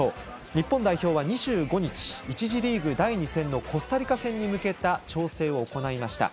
日本代表は２５日１次リーグ第２戦のコスタリカ戦に向けた調整を行いました。